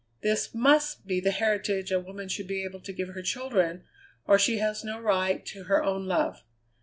"This must be the heritage a woman should be able to give her children, or she has no right to her own love.